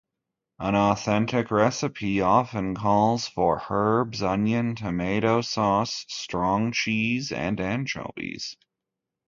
An authentic recipe often calls for herbs, onion, tomato sauce, strong cheese and anchovies.